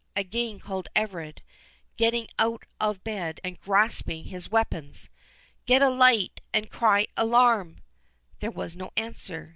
again called Everard, getting out of bed and grasping his weapons—"Get a light, and cry alarm!" There was no answer.